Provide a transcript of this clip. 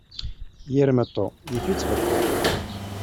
Yir meṭṭu, yif-it beṭṭu.